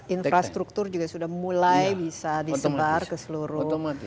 infrastruktur juga sudah mulai bisa disebar ke seluruh